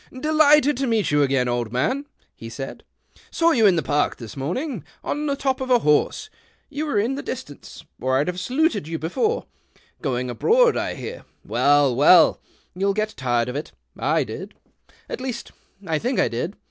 "Delighted to meet you again, old man," he said. " Saw you in the park this morning, on the top of a horse. You w^re in the 160 THE OCTAVE OF CLAUDIUS. distance, or I'd have saluted you before. Going abroad, I hear. Well, well — you'll get tired of it. I did — at least, I tliink I did.